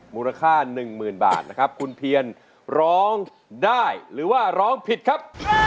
มูลค่าหนึ่งหมื่นบาทนะครับคุณเพียนร้องได้หรือว่าร้องผิดครับ